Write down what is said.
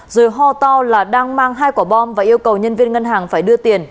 rồi ho to là đang mang hai quả bom và yêu cầu nhân viên ngân hàng phải đưa tiền